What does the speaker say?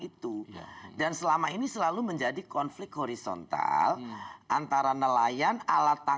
itu dan selama ini selalu menjadi konflik horisontal antara nelayan dan yurang yurang